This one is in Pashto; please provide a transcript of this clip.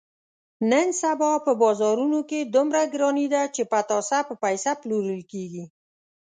نن سبا په بازارونو کې دومره ګراني ده، چې پتاسه په پیسه پلورل کېږي.